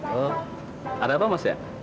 oh ada apa mas ya